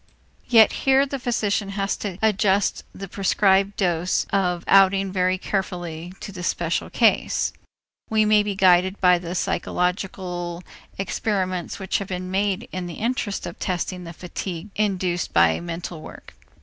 Yet here the physician has to adjust the prescribed dose of outing very carefully to the special case. We may be guided by the psychological experiments which have been made in the interest of testing the fatigue induced by mental work.